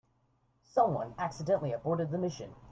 Someone accidentally aborted the mission.